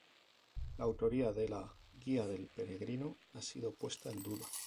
La autoría de la "Guía del Peregrino" ha sido puesta en duda.